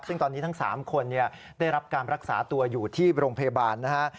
ซึ่งตอนนี้ทั้ง๓คนได้รับการรักษาตัวอยู่ที่โรงพยาบาลนะฮะ